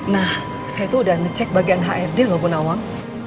nah saya tuh udah ngecek bagian hrd loh bu nawang